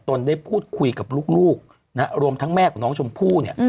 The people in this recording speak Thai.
ตนได้พูดคุยกับลูกรวมทั้งแม่ของน้องชมพู่เนี่ย